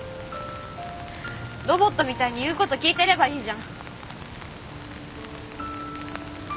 ロボットみたいに言うこと聞いてればいいじゃん。